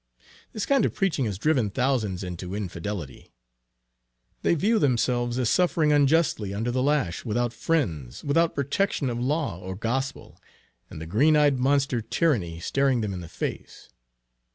This kind of preaching has driven thousands into infidelity. They view themselves as suffering unjustly under the lash, without friends, without protection of law or gospel, and the green eyed monster tyranny staring them in the face.